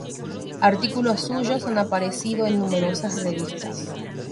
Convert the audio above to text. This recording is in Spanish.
Artículos suyos han aparecido en numerosas revistas.